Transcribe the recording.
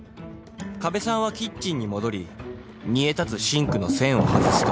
加部さんはキッチンに戻り煮え立つシンクの栓を外すと